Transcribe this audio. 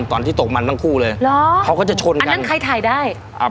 ตอนที่ตกมันทั้งคู่เลยเหรอเขาก็จะชนอันนั้นใครถ่ายได้อ่า